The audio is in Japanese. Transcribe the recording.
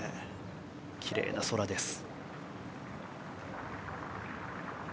きれいな空です。